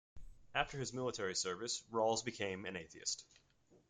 After his military service, Rawls became an atheist.